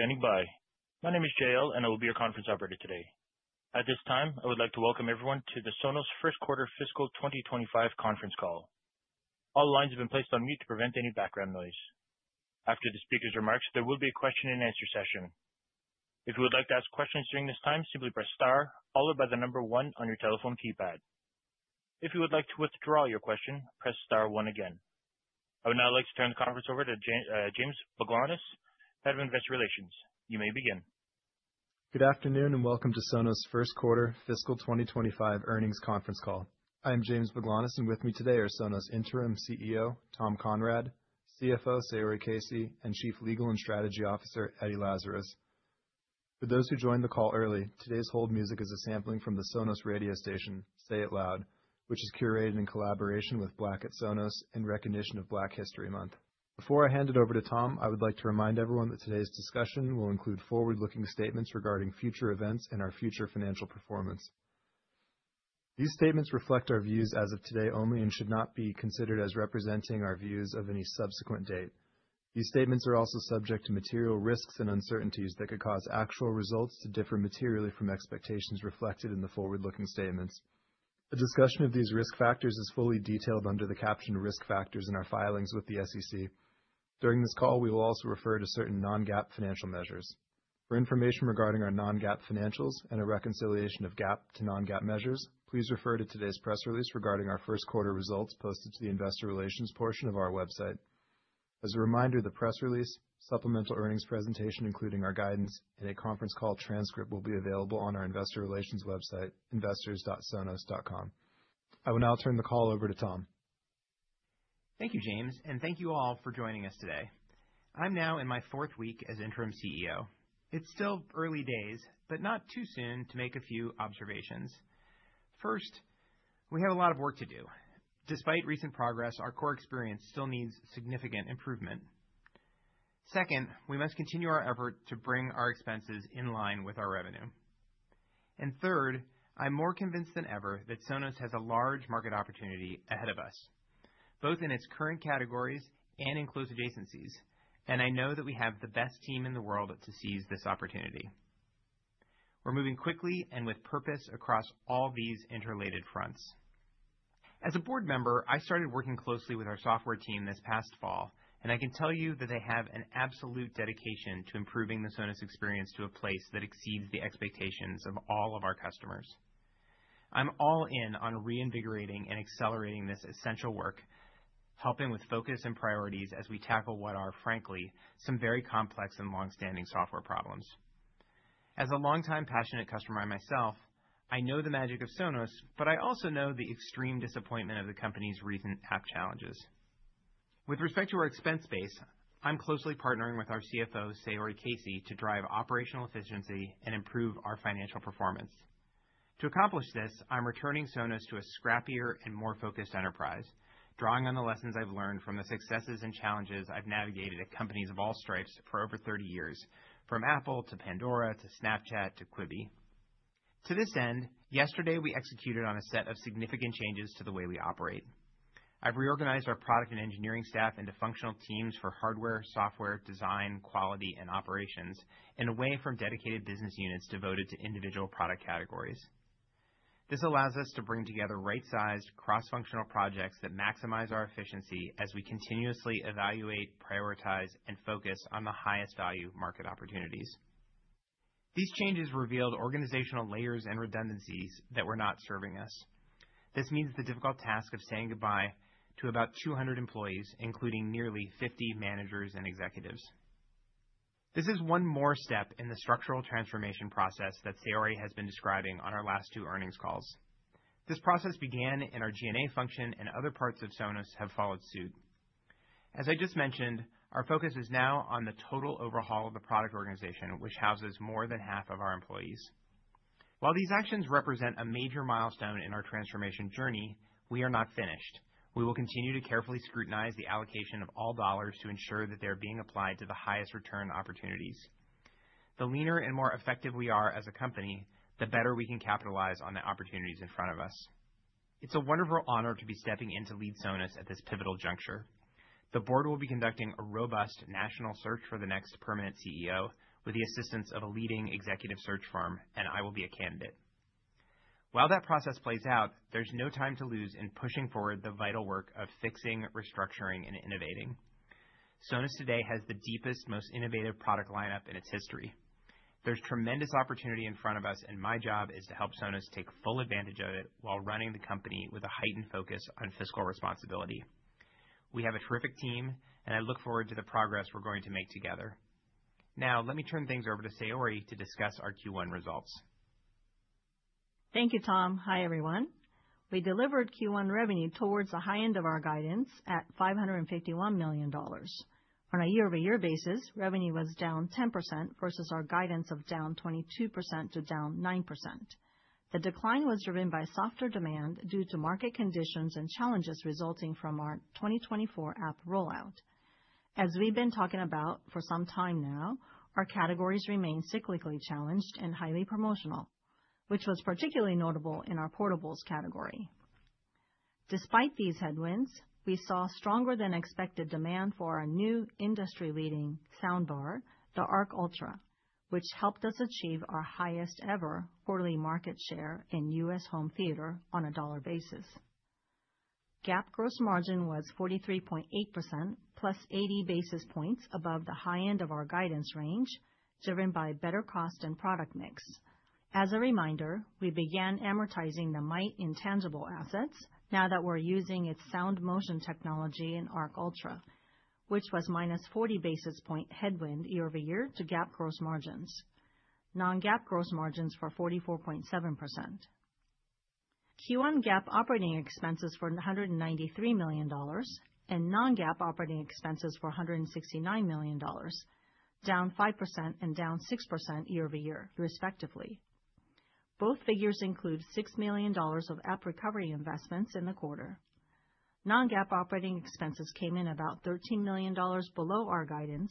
Thank you for standing by. My name is Jael, and I will be your conference operator today. At this time, I would like to welcome everyone to the Sonos First Quarter Fiscal 2025 Conference Call. All lines have been placed on mute to prevent any background noise. After the speaker's remarks, there will be a question-and-answer session. If you would like to ask questions during this time, simply press star one on your telephone keypad. If you would like to withdraw your question, press star one again. I would now like to turn the conference over to James Baglanis, Head of Investor Relations. You may begin. Good afternoon, and welcome to Sonos First Quarter Fiscal 2025 Earnings Conference Call. I am James Baglanis, and with me today are Sonos Interim CEO Tom Conrad, CFO Saori Casey, and Chief Legal and Strategy Officer Eddie Lazarus. For those who joined the call early, today's hold music is a sampling from the Sonos radio station, Say It Loud, which is curated in collaboration with Black at Sonos in recognition of Black History Month. Before I hand it over to Tom, I would like to remind everyone that today's discussion will include forward-looking statements regarding future events and our future financial performance. These statements reflect our views as of today only and should not be considered as representing our views of any subsequent date. These statements are also subject to material risks and uncertainties that could cause actual results to differ materially from expectations reflected in the forward-looking statements. The discussion of these risk factors is fully detailed under the captioned risk factors in our filings with the SEC. During this call, we will also refer to certain non-GAAP financial measures. For information regarding our non-GAAP financials and a reconciliation of GAAP to non-GAAP measures, please refer to today's press release regarding our first quarter results posted to the Investor Relations portion of our website. As a reminder, the press release, supplemental earnings presentation, including our guidance, and a conference call transcript will be available on our Investor Relations website, investors.sonos.com. I will now turn the call over to Tom. Thank you, James, and thank you all for joining us today. I'm now in my fourth week as Interim CEO. It's still early days, but not too soon to make a few observations. First, we have a lot of work to do. Despite recent progress, our core experience still needs significant improvement. Second, we must continue our effort to bring our expenses in line with our revenue. And third, I'm more convinced than ever that Sonos has a large market opportunity ahead of us, both in its current categories and in close adjacencies, and I know that we have the best team in the world to seize this opportunity. We're moving quickly and with purpose across all these interrelated fronts. As a board member, I started working closely with our software team this past fall, and I can tell you that they have an absolute dedication to improving the Sonos experience to a place that exceeds the expectations of all of our customers. I'm all in on reinvigorating and accelerating this essential work, helping with focus and priorities as we tackle what are, frankly, some very complex and long-standing software problems. As a longtime passionate customer of myself, I know the magic of Sonos, but I also know the extreme disappointment of the company's recent app challenges. With respect to our expense base, I'm closely partnering with our CFO, Saori Casey, to drive operational efficiency and improve our financial performance. To accomplish this, I'm returning Sonos to a scrappier and more focused enterprise, drawing on the lessons I've learned from the successes and challenges I've navigated at companies of all stripes for over 30 years, from Apple to Pandora to Snapchat to Quibi. To this end, yesterday we executed on a set of significant changes to the way we operate. I've reorganized our product and engineering staff into functional teams for hardware, software, design, quality, and operations away from dedicated business units devoted to individual product categories. This allows us to bring together right-sized, cross-functional projects that maximize our efficiency as we continuously evaluate, prioritize, and focus on the highest value market opportunities. These changes revealed organizational layers and redundancies that were not serving us. This means the difficult task of saying goodbye to about 200 employees, including nearly 50 managers and executives. This is one more step in the structural transformation process that Saori has been describing on our last two earnings calls. This process began in our G&A function, and other parts of Sonos have followed suit. As I just mentioned, our focus is now on the total overhaul of the product organization, which houses more than half of our employees. While these actions represent a major milestone in our transformation journey, we are not finished. We will continue to carefully scrutinize the allocation of all dollars to ensure that they're being applied to the highest return opportunities. The leaner and more effective we are as a company, the better we can capitalize on the opportunities in front of us. It's a wonderful honor to be stepping in to lead Sonos at this pivotal juncture. The board will be conducting a robust national search for the next permanent CEO with the assistance of a leading executive search firm, and I will be a candidate. While that process plays out, there's no time to lose in pushing forward the vital work of fixing, restructuring, and innovating. Sonos today has the deepest, most innovative product lineup in its history. There's tremendous opportunity in front of us, and my job is to help Sonos take full advantage of it while running the company with a heightened focus on fiscal responsibility. We have a terrific team, and I look forward to the progress we're going to make together. Now, let me turn things over to Saori to discuss our Q1 results. Thank you, Tom. Hi, everyone. We delivered Q1 revenue towards the high end of our guidance at $551 million. On a year-over-year basis, revenue was down 10% versus our guidance of down 22% to down 9%. The decline was driven by softer demand due to market conditions and challenges resulting from our 2024 app rollout. As we've been talking about for some time now, our categories remain cyclically challenged and highly promotional, which was particularly notable in our portables category. Despite these headwinds, we saw stronger-than-expected demand for our new industry-leading soundbar, the Arc Ultra, which helped us achieve our highest-ever quarterly market share in U.S. home theater on a dollar basis. GAAP gross margin was 43.8%, plus 80 basis points above the high end of our guidance range, driven by better cost and product mix. As a reminder, we began amortizing the Mayht intangible assets now that we're using its Sound Motion technology in Arc Ultra, which was -40 basis point headwind year-over-year to GAAP gross margins. Non-GAAP gross margins were 44.7%. Q1 GAAP operating expenses were $193 million and non-GAAP operating expenses were $169 million, down 5% and down 6% year-over-year, respectively. Both figures include $6 million of app recovery investments in the quarter. Non-GAAP operating expenses came in about $13 million below our guidance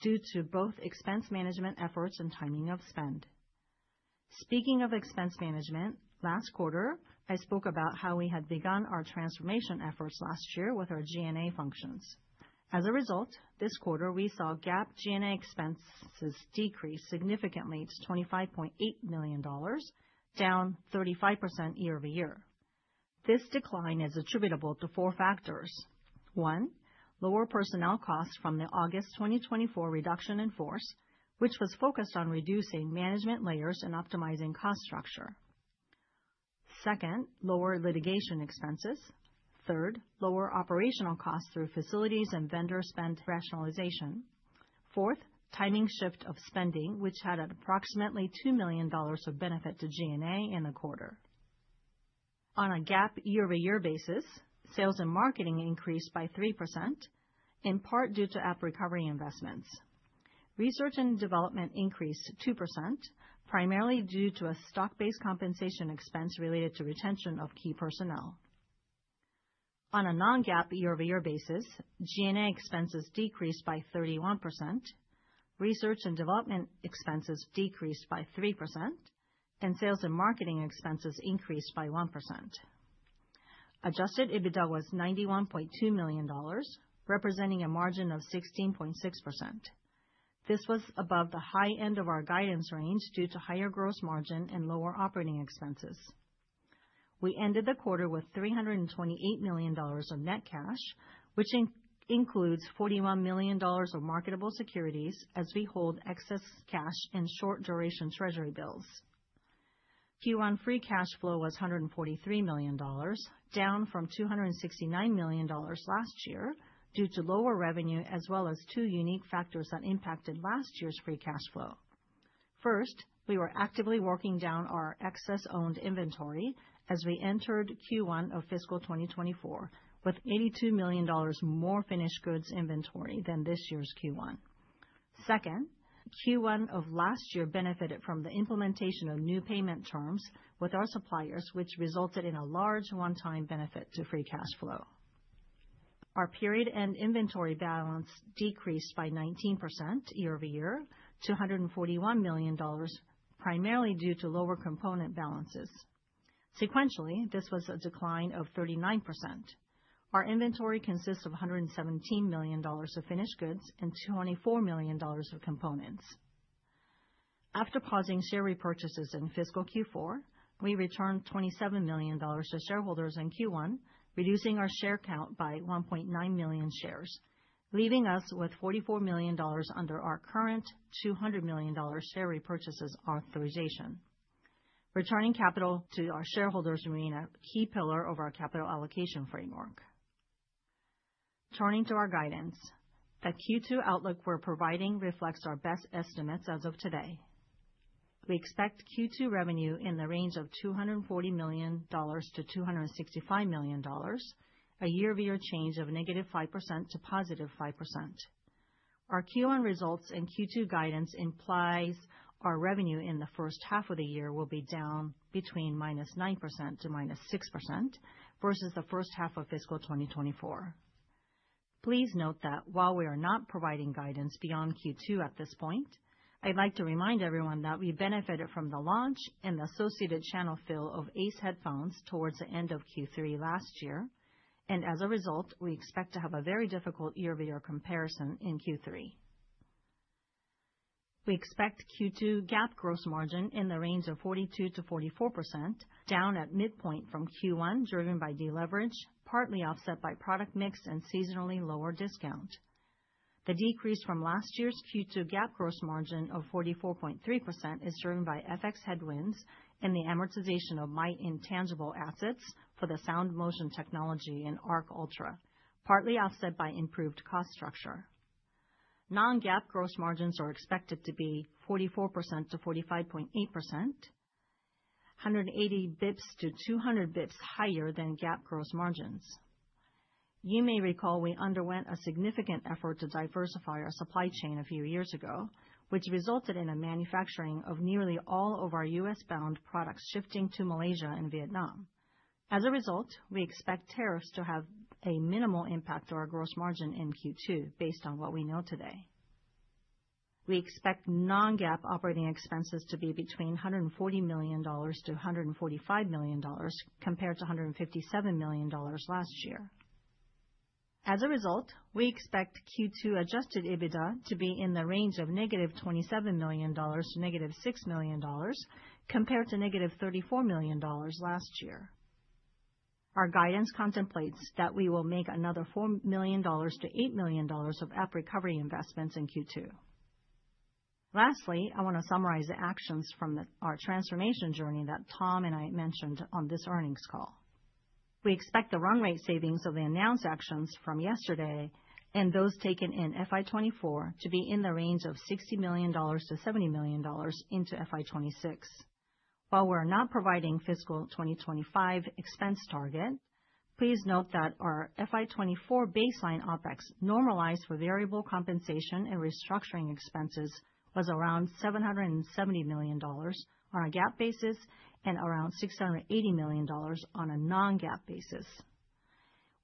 due to both expense management efforts and timing of spend. Speaking of expense management, last quarter, I spoke about how we had begun our transformation efforts last year with our G&A functions. As a result, this quarter, we saw GAAP G&A expenses decrease significantly to $25.8 million, down 35% year-over-year. This decline is attributable to four factors. One, lower personnel costs from the August 2024 reduction in force, which was focused on reducing management layers and optimizing cost structure. Second, lower litigation expenses. Third, lower operational costs through facilities and vendor spend rationalization. Fourth, timing shift of spending, which had approximately $2 million of benefit to G&A in the quarter. On a GAAP year-over-year basis, sales and marketing increased by 3%, in part due to app recovery investments. Research and development increased 2%, primarily due to a stock-based compensation expense related to retention of key personnel. On a non-GAAP year-over-year basis, G&A expenses decreased by 31%, research and development expenses decreased by 3%, and sales and marketing expenses increased by 1%. Adjusted EBITDA was $91.2 million, representing a margin of 16.6%. This was above the high end of our guidance range due to higher gross margin and lower operating expenses. We ended the quarter with $328 million of net cash, which includes $41 million of marketable securities as we hold excess cash and short-duration treasury bills. Q1 free cash flow was $143 million, down from $269 million last year due to lower revenue as well as two unique factors that impacted last year's free cash flow. First, we were actively working down our excess owned inventory as we entered Q1 of fiscal 2024 with $82 million more finished goods inventory than this year's Q1. Second, Q1 of last year benefited from the implementation of new payment terms with our suppliers, which resulted in a large one-time benefit to free cash flow. Our period-end inventory balance decreased by 19% year-over-year to $141 million, primarily due to lower component balances. Sequentially, this was a decline of 39%. Our inventory consists of $117 million of finished goods and $24 million of components. After pausing share repurchases in fiscal Q4, we returned $27 million to shareholders in Q1, reducing our share count by 1.9 million shares, leaving us with $44 million under our current $200 million share repurchases authorization. Returning capital to our shareholders remained a key pillar of our capital allocation framework. Turning to our guidance, the Q2 outlook we're providing reflects our best estimates as of today. We expect Q2 revenue in the range of $240 million-$265 million, a year-over-year change of negative 5% to positive 5%. Our Q1 results and Q2 guidance imply our revenue in the first half of the year will be down between -9% to -6% versus the first half of fiscal 2024. Please note that while we are not providing guidance beyond Q2 at this point, I'd like to remind everyone that we benefited from the launch and the associated channel fill of Ace headphones towards the end of Q3 last year, and as a result, we expect to have a very difficult year-over-year comparison in Q3. We expect Q2 GAAP gross margin in the range of 42%-44%, down at midpoint from Q1 driven by deleverage, partly offset by product mix and seasonally lower discount. The decrease from last year's Q2 GAAP gross margin of 44.3% is driven by FX headwinds and the amortization of Mayht intangible assets for the Sound Motion technology in Arc Ultra, partly offset by improved cost structure. Non-GAAP gross margins are expected to be 44%-45.8%, 180 basis points to 200 basis points higher than GAAP gross margins. You may recall we underwent a significant effort to diversify our supply chain a few years ago, which resulted in the manufacturing of nearly all of our U.S.-bound products shifting to Malaysia and Vietnam. As a result, we expect tariffs to have a minimal impact on our gross margin in Q2 based on what we know today. We expect non-GAAP operating expenses to be between $140-$145 million compared to $157 million last year. As a result, we expect Q2 adjusted EBITDA to be in the range of negative $27 million-negative $6 million compared to negative $34 million last year. Our guidance contemplates that we will make another $4-$8 million of app recovery investments in Q2. Lastly, I want to summarize the actions from our transformation journey that Tom and I mentioned on this earnings call. We expect the run rate savings of the announced actions from yesterday and those taken in FY24 to be in the range of $60 million-$70 million into FY26. While we're not providing fiscal 2025 expense target, please note that our FY24 baseline OpEx normalized for variable compensation and restructuring expenses was around $770 million on a GAAP basis and around $680 million on a non-GAAP basis.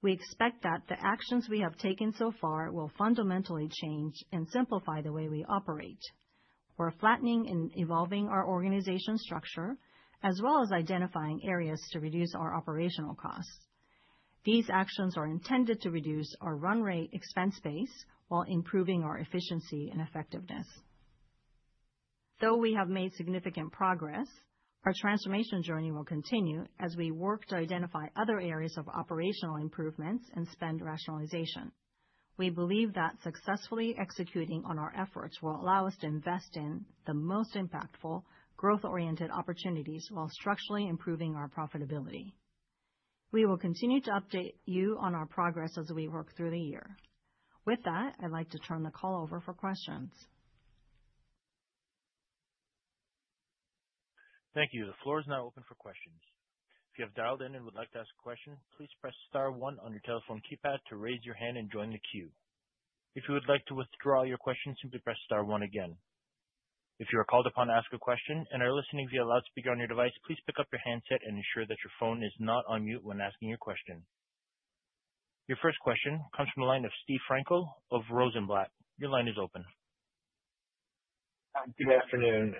We expect that the actions we have taken so far will fundamentally change and simplify the way we operate. We're flattening and evolving our organization structure as well as identifying areas to reduce our operational costs. These actions are intended to reduce our run rate expense base while improving our efficiency and effectiveness. Though we have made significant progress, our transformation journey will continue as we work to identify other areas of operational improvements and spend rationalization. We believe that successfully executing on our efforts will allow us to invest in the most impactful growth-oriented opportunities while structurally improving our profitability. We will continue to update you on our progress as we work through the year. With that, I'd like to turn the call over for questions. Thank you. The floor is now open for questions. If you have dialed in and would like to ask a question, please press star one on your telephone keypad to raise your hand and join the queue. If you would like to withdraw your question, simply press star one again. If you are called upon to ask a question and are listening via loudspeaker on your device, please pick up your handset and ensure that your phone is not on mute when asking your question. Your first question comes from the line of Steve Frankel of Rosenblatt. Your line is open. Good afternoon.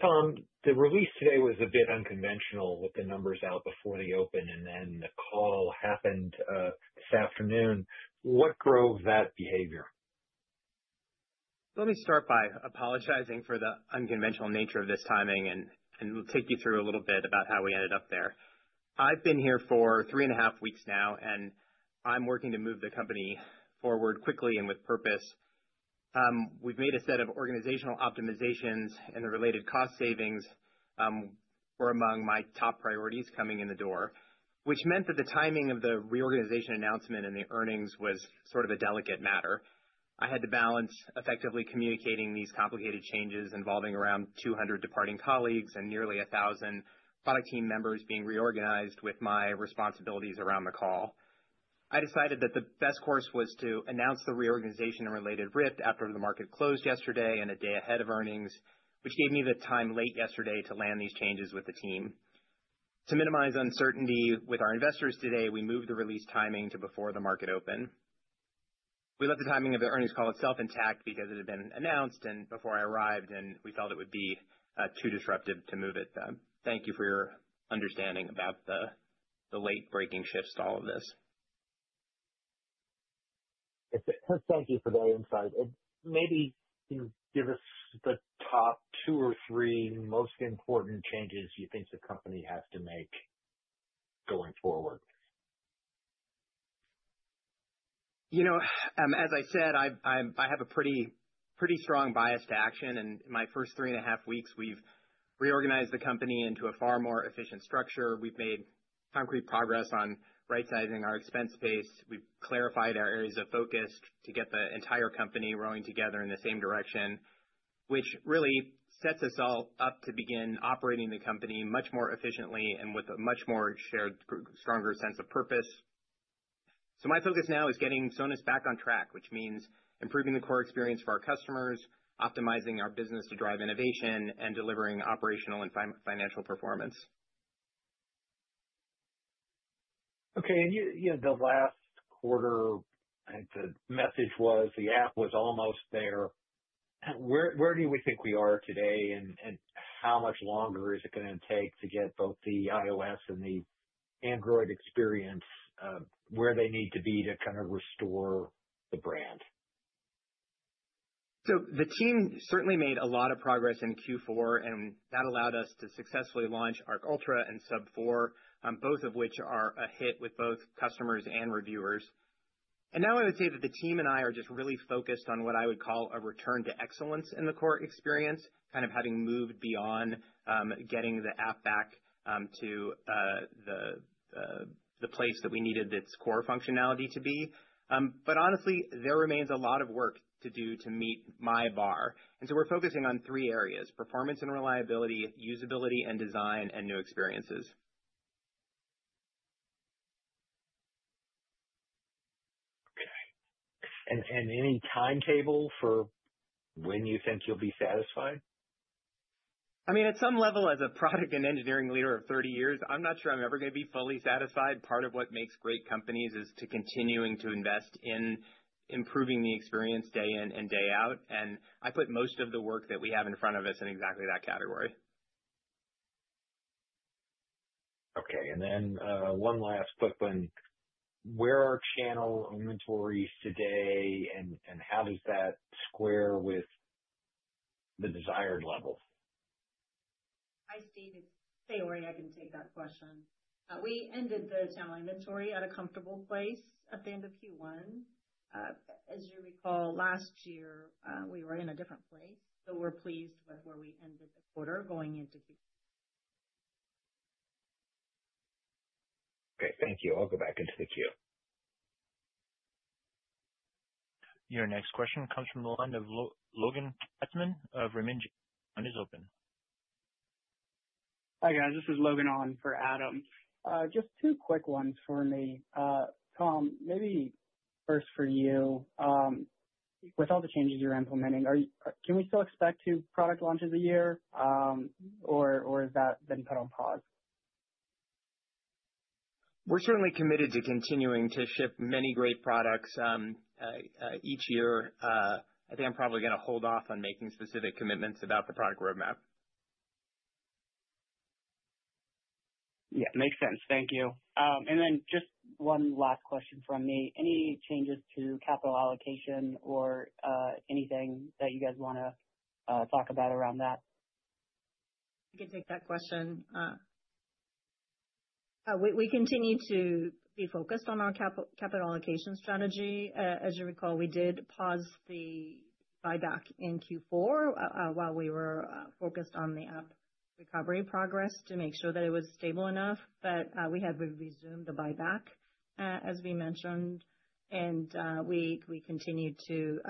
Tom, the release today was a bit unconventional with the numbers out before the open, and then the call happened this afternoon. What drove that behavior? Let me start by apologizing for the unconventional nature of this timing and take you through a little bit about how we ended up there. I've been here for three and a half weeks now, and I'm working to move the company forward quickly and with purpose. We've made a set of organizational optimizations and the related cost savings were among my top priorities coming in the door, which meant that the timing of the reorganization announcement and the earnings was sort of a delicate matter. I had to balance effectively communicating these complicated changes involving around 200 departing colleagues and nearly 1,000 product team members being reorganized with my responsibilities around the call. I decided that the best course was to announce the reorganization and related RIF after the market closed yesterday and a day ahead of earnings, which gave me the time late yesterday to land these changes with the team. To minimize uncertainty with our investors today, we moved the release timing to before the market open. We left the timing of the earnings call itself intact because it had been announced before I arrived, and we felt it would be too disruptive to move it. Thank you for your understanding about the late-breaking shifts to all of this. Thank you for that insight. Maybe you give us the top two or three most important changes you think the company has to make going forward. As I said, I have a pretty strong bias to action, and in my first three and a half weeks, we've reorganized the company into a far more efficient structure. We've made concrete progress on right-sizing our expense base. We've clarified our areas of focus to get the entire company rowing together in the same direction, which really sets us all up to begin operating the company much more efficiently and with a much more shared, stronger sense of purpose. So my focus now is getting Sonos back on track, which means improving the core experience for our customers, optimizing our business to drive innovation, and delivering operational and financial performance. Okay. And the last quarter, the message was the app was almost there. Where do you think we are today, and how much longer is it going to take to get both the iOS and the Android experience where they need to be to kind of restore the brand? So the team certainly made a lot of progress in Q4, and that allowed us to successfully launch Arc Ultra and Sub 4, both of which are a hit with both customers and reviewers. And now I would say that the team and I are just really focused on what I would call a return to excellence in the core experience, kind of having moved beyond getting the app back to the place that we needed its core functionality to be. But honestly, there remains a lot of work to do to meet my bar. And so we're focusing on three areas: performance and reliability, usability and design, and new experiences. Okay, and any timetable for when you think you'll be satisfied? I mean, at some level, as a product and engineering leader of 30 years, I'm not sure I'm ever going to be fully satisfied. Part of what makes great companies is continuing to invest in improving the experience day in and day out. And I put most of the work that we have in front of us in exactly that category. Okay. And then one last quick one. Where are channel inventories today, and how does that square with the desired level? Hi, Steve. Hey, Saori. I can take that question. We ended the channel inventory at a comfortable place at the end of Q1. As you recall, last year, we were in a different place, so we're pleased with where we ended the quarter going into Q2. Okay. Thank you. I'll go back into the queue. Your next question comes from the line of Logan Katzman of Raymond James. Line is open. Hi, guys. This is Logan on for Adam. Just two quick ones for me. Tom, maybe first for you. With all the changes you're implementing, can we still expect two product launches a year, or has that been put on pause? We're certainly committed to continuing to ship many great products each year. I think I'm probably going to hold off on making specific commitments about the product roadmap. Yeah. Makes sense. Thank you. And then just one last question from me. Any changes to capital allocation or anything that you guys want to talk about around that? I can take that question. We continue to be focused on our capital allocation strategy. As you recall, we did pause the buyback in Q4 while we were focused on the app recovery progress to make sure that it was stable enough. But we have resumed the buyback, as we mentioned, and we continue to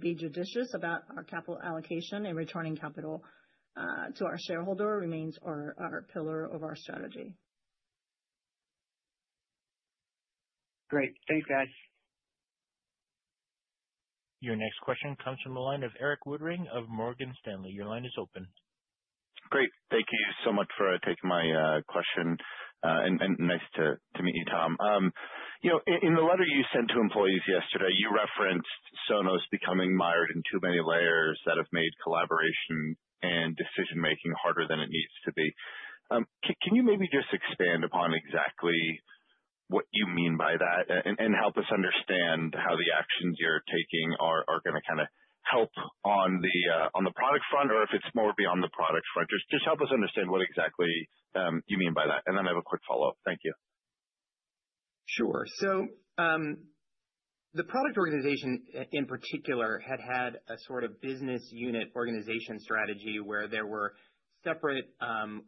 be judicious about our capital allocation and returning capital to our shareholder remains our pillar of our strategy. Great. Thanks, guys. Your next question comes from the line of Erik Woodring of Morgan Stanley. Your line is open. Great. Thank you so much for taking my question, and nice to meet you, Tom. In the letter you sent to employees yesterday, you referenced Sonos becoming mired in too many layers that have made collaboration and decision-making harder than it needs to be. Can you maybe just expand upon exactly what you mean by that and help us understand how the actions you're taking are going to kind of help on the product front, or if it's more beyond the product front? Just help us understand what exactly you mean by that. And then I have a quick follow-up. Thank you. Sure. So the product organization in particular had had a sort of business unit organization strategy where there were separate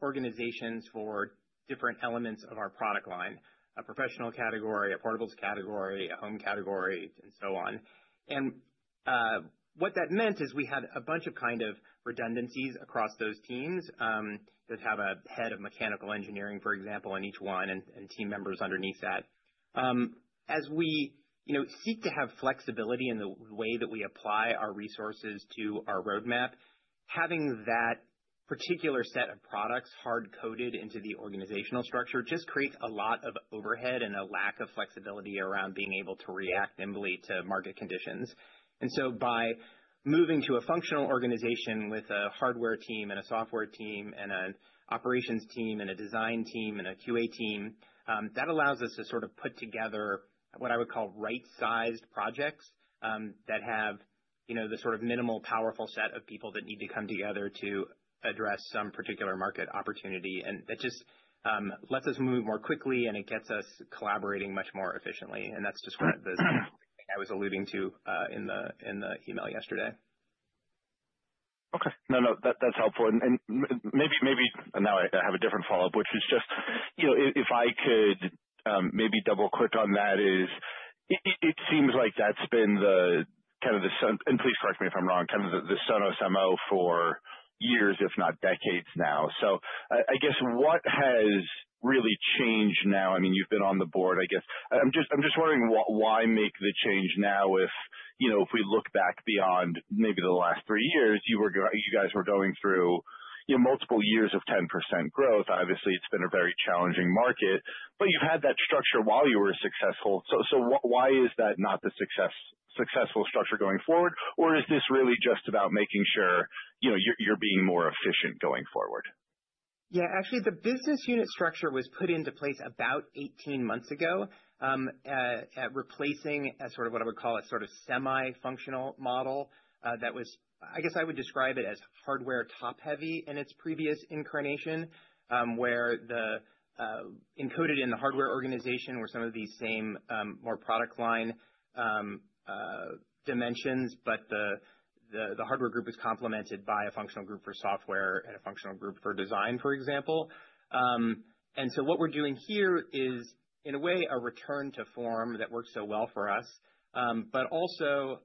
organizations for different elements of our product line: a professional category, a portables category, a home category, and so on. And what that meant is we had a bunch of kind of redundancies across those teams that have a head of mechanical engineering, for example, in each one, and team members underneath that. As we seek to have flexibility in the way that we apply our resources to our roadmap, having that particular set of products hard-coded into the organizational structure just creates a lot of overhead and a lack of flexibility around being able to react nimbly to market conditions. And so by moving to a functional organization with a hardware team and a software team and an operations team and a design team and a QA team, that allows us to sort of put together what I would call right-sized projects that have the sort of minimal powerful set of people that need to come together to address some particular market opportunity. And that just lets us move more quickly, and it gets us collaborating much more efficiently. And that's described as the thing I was alluding to in the email yesterday. Okay. No, no. That's helpful. And maybe now I have a different follow-up, which is just if I could maybe double-click on that, it seems like that's been the kind of the, and please correct me if I'm wrong, kind of the Sonos MO for years, if not decades now. So I guess what has really changed now? I mean, you've been on the board, I guess. I'm just wondering why make the change now if we look back beyond maybe the last three years, you guys were going through multiple years of 10% growth. Obviously, it's been a very challenging market, but you've had that structure while you were successful. So why is that not the successful structure going forward? Or is this really just about making sure you're being more efficient going forward? Yeah. Actually, the business unit structure was put into place about 18 months ago to replace sort of what I would call a sort of semi-functional model that was, I guess I would describe it as hardware top-heavy in its previous incarnation, where the engineers in the hardware organization were some of these same more product line dimensions, but the hardware group was complemented by a functional group for software and a functional group for design, for example, and so what we're doing here is, in a way, a return to form that works so well for us. But also,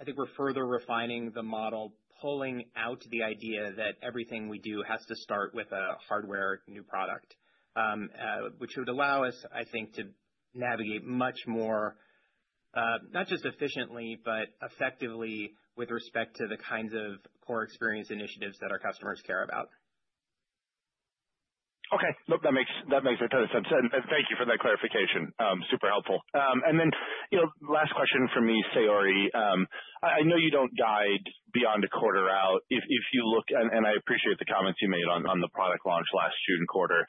I think we're further refining the model, pulling out the idea that everything we do has to start with a hardware new product, which would allow us, I think, to navigate much more not just efficiently, but effectively with respect to the kinds of core experience initiatives that our customers care about. Okay. No, that makes a ton of sense. And thank you for that clarification. Super helpful. And then last question for me, Saori. I know you don't guide beyond a quarter out. If you look, and I appreciate the comments you made on the product launch last June 2024 quarter,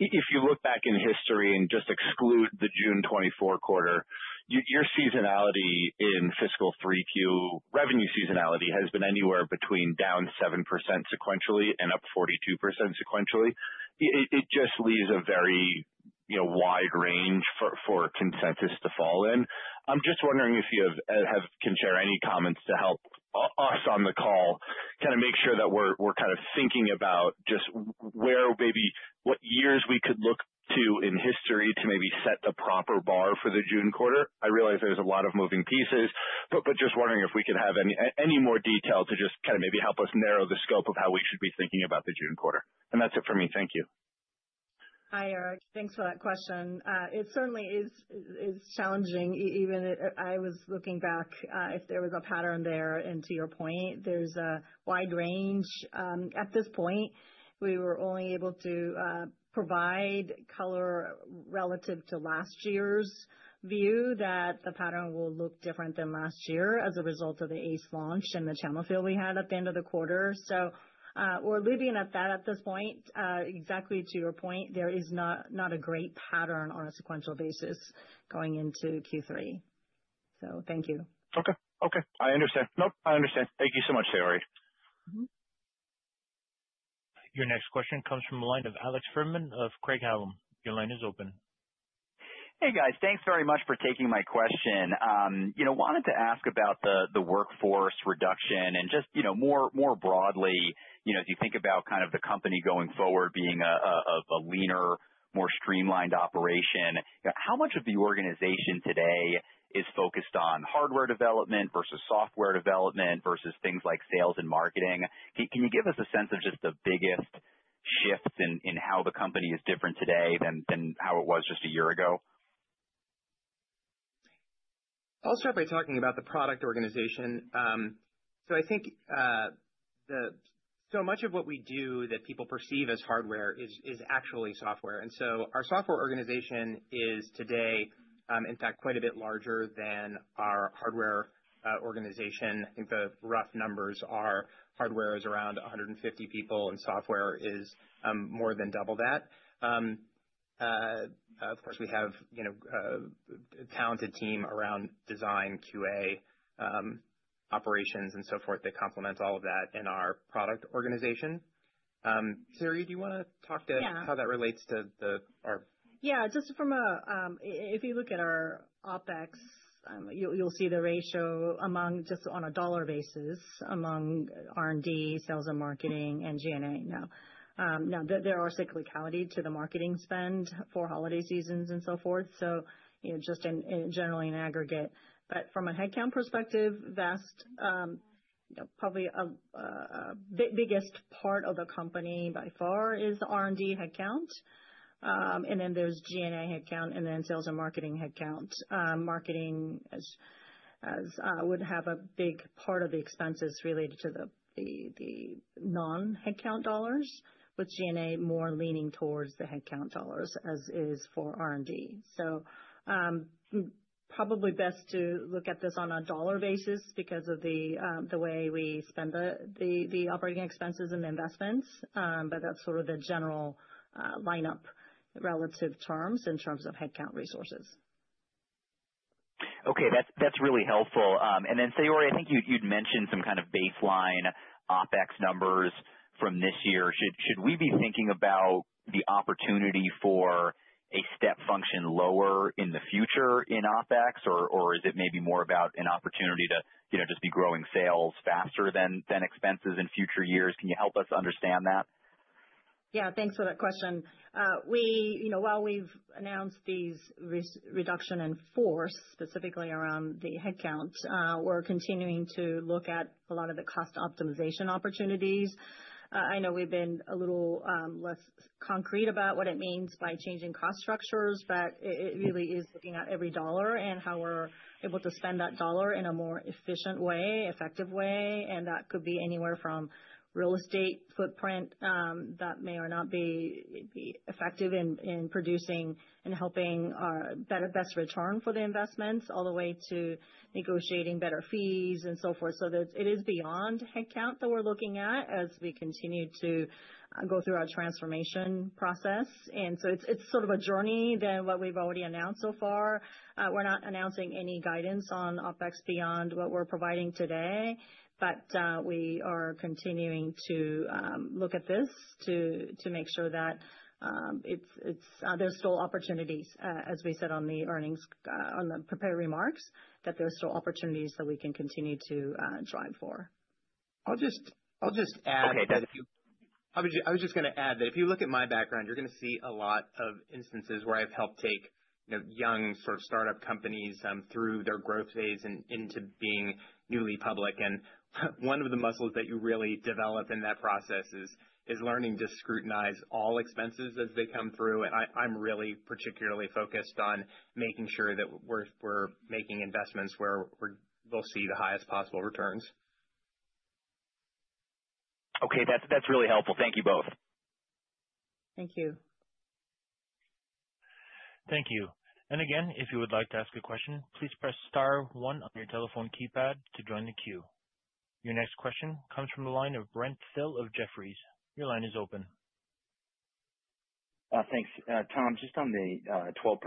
if you look back in history and just exclude the June 2024 quarter, your seasonality in fiscal three Q revenue seasonality has been anywhere between down 7% sequentially and up 42% sequentially. It just leaves a very wide range for consensus to fall in. I'm just wondering if you can share any comments to help us on the call, kind of make sure that we're kind of thinking about just where maybe what years we could look to in history to maybe set the proper bar for the June quarter. I realize there's a lot of moving pieces, but just wondering if we could have any more detail to just kind of maybe help us narrow the scope of how we should be thinking about the June quarter? And that's it for me. Thank you. Hi, Erik. Thanks for that question. It certainly is challenging. Even I was looking back if there was a pattern there, and to your point, there's a wide range. At this point, we were only able to provide color relative to last year's view that the pattern will look different than last year as a result of the Ace launch and the channel fill we had at the end of the quarter, so we're living with that at this point. Exactly to your point, there is not a great pattern on a sequential basis going into Q3, so thank you. Okay. Okay. I understand. No, I understand. Thank you so much, Saori. Your next question comes from the line of Alex Fuhrman of Craig-Hallum. Your line is open. Hey, guys. Thanks very much for taking my question. Wanted to ask about the workforce reduction and just more broadly, if you think about kind of the company going forward being a leaner, more streamlined operation, how much of the organization today is focused on hardware development versus software development versus things like sales and marketing? Can you give us a sense of just the biggest shifts in how the company is different today than how it was just a year ago? I'll start by talking about the product organization. So I think so much of what we do that people perceive as hardware is actually software. And so our software organization is today, in fact, quite a bit larger than our hardware organization. I think the rough numbers are hardware is around 150 people, and software is more than double that. Of course, we have a talented team around design, QA, operations, and so forth that complements all of that in our product organization. Saori, do you want to talk to how that relates to our? Yeah. Just from a, if you look at our OpEx, you'll see the ratio just on a dollar basis among R&D, sales and marketing, and G&A. Now, there are cyclicalities to the marketing spend for holiday seasons and so forth, so just generally in aggregate. But from a headcount perspective, probably the biggest part of the company by far is the R&D headcount. And then there's G&A headcount, and then sales and marketing headcount. Marketing would have a big part of the expenses related to the non-headcount dollars, with G&A more leaning towards the headcount dollars, as is for R&D. So probably best to look at this on a dollar basis because of the way we spend the operating expenses and the investments. But that's sort of the general lineup relative terms in terms of headcount resources. Okay. That's really helpful, and then, Saori, I think you'd mentioned some kind of baseline OpEx numbers from this year. Should we be thinking about the opportunity for a step function lower in the future in OpEx, or is it maybe more about an opportunity to just be growing sales faster than expenses in future years? Can you help us understand that? Yeah. Thanks for that question. While we've announced these reductions in force, specifically around the headcount, we're continuing to look at a lot of the cost optimization opportunities. I know we've been a little less concrete about what it means by changing cost structures, but it really is looking at every dollar and how we're able to spend that dollar in a more efficient way, effective way. And that could be anywhere from real estate footprint that may or may not be effective in producing and helping our best return for the investments, all the way to negotiating better fees and so forth. So it is beyond headcount that we're looking at as we continue to go through our transformation process, and so it's sort of a journey more than what we've already announced so far. We're not announcing any guidance on OpEx beyond what we're providing today, but we are continuing to look at this to make sure that there's still opportunities, as we said on the prepared remarks, that there's still opportunities that we can continue to drive for. I'll just add. Okay. I was just going to add that if you look at my background, you're going to see a lot of instances where I've helped take young sort of startup companies through their growth phase into being newly public. And one of the muscles that you really develop in that process is learning to scrutinize all expenses as they come through. And I'm really particularly focused on making sure that we're making investments where we'll see the highest possible returns. Okay. That's really helpful. Thank you both. Thank you. Thank you. And again, if you would like to ask a question, please press star one on your telephone keypad to join the queue. Your next question comes from the line of Brent Thill of Jefferies. Your line is open. Thanks. Tom, just on the 12%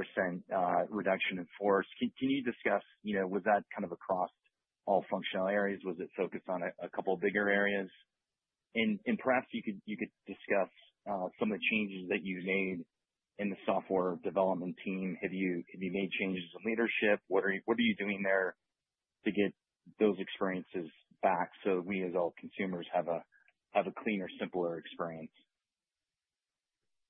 reduction in force, can you discuss was that kind of across all functional areas? Was it focused on a couple of bigger areas, and perhaps you could discuss some of the changes that you've made in the software development team? Have you made changes in leadership? What are you doing there to get those experiences back so we as all consumers have a cleaner, simpler experience?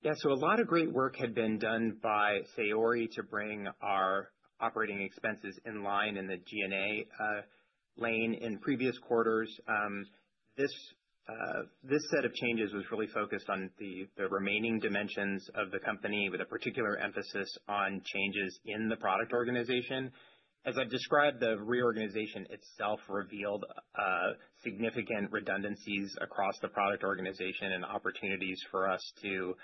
Yeah. So a lot of great work had been done by Saori to bring our operating expenses in line in the G&A lane in previous quarters. This set of changes was really focused on the remaining dimensions of the company, with a particular emphasis on changes in the product organization. As I've described, the reorganization itself revealed significant redundancies across the product organization and opportunities for us to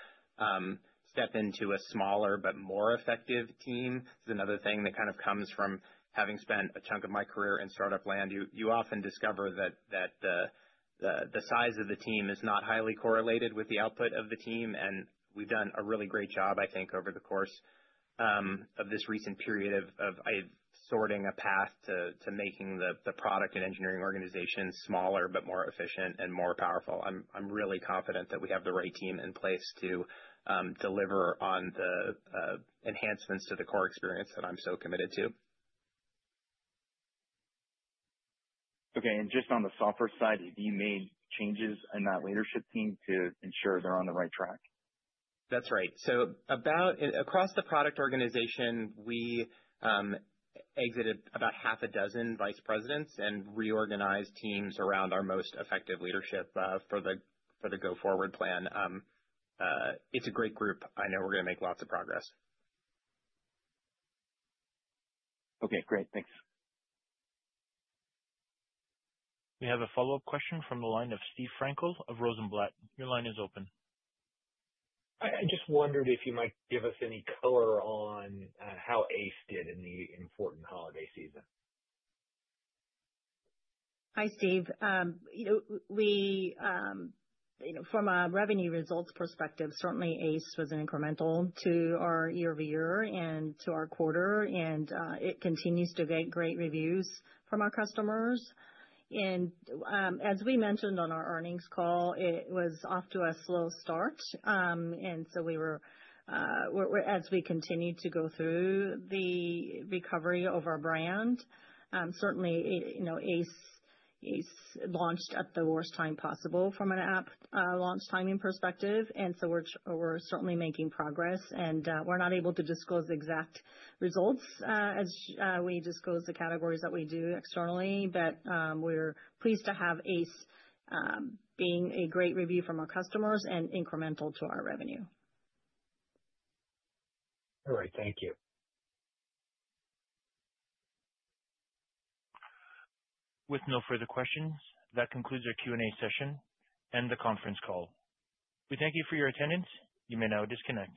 step into a smaller but more effective team. It's another thing that kind of comes from having spent a chunk of my career in startup land. You often discover that the size of the team is not highly correlated with the output of the team, and we've done a really great job, I think, over the course of this recent period of sorting a path to making the product and engineering organization smaller but more efficient and more powerful. I'm really confident that we have the right team in place to deliver on the enhancements to the core experience that I'm so committed to. Okay, and just on the software side, have you made changes in that leadership team to ensure they're on the right track? That's right. So across the product organization, we exited about half a dozen vice presidents and reorganized teams around our most effective leadership for the go-forward plan. It's a great group. I know we're going to make lots of progress. Okay. Great. Thanks. We have a follow-up question from the line of Steve Frankel of Rosenblatt, your line is open. I just wondered if you might give us any color on how Ace did in the important holiday season? Hi, Steve. From a revenue results perspective, certainly Ace was incremental to our year-over-year and to our quarter, and it continues to get great reviews from our customers, and as we mentioned on our earnings call, it was off to a slow start, and so as we continue to go through the recovery of our brand, certainly Ace launched at the worst time possible from an app launch timing perspective, and so we're certainly making progress, and we're not able to disclose exact results as we disclose the categories that we do externally, but we're pleased to have Ace being a great review from our customers and incremental to our revenue. All right. Thank you. With no further questions, that concludes our Q&A session and the conference call. We thank you for your attendance. You may now disconnect.